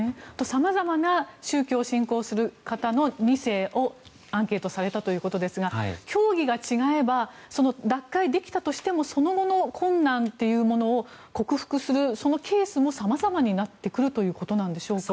さまざまな宗教を信仰する方の２世をアンケートされたということですが教義が違えば脱会できたとしてもその後の困難というものを克服するケースもさまざまになってくるということですか？